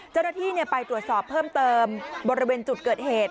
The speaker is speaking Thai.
เจ้าหน้าที่ไปตรวจสอบเพิ่มเติมบริเวณจุดเกิดเหตุ